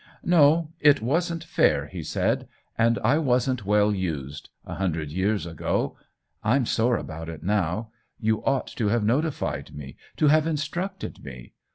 " No, it wasn't fair," he said ;" and I wasn't well used — a hundred years ago. I'm sore about it now ; you ought to have notified me, to have instructed me.